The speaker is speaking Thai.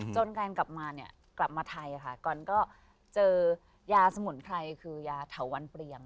จนการกลับมาเนี่ยกลับมาไทยค่ะก่อนก็เจอยาสมุนไพรคือยาเถาวันเปลี่ยง